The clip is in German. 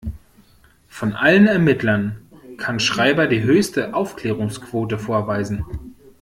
Von allen Ermittlern kann Schreiber die höchste Aufklärungsquote vorweisen.